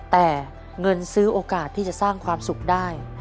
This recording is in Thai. แต่เงินซื้อโอกาสที่จะสร้างความสุขได้